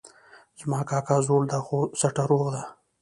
زما کاکا زوړ ده خو سټه روغ ده